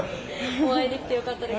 お会いできて良かったです。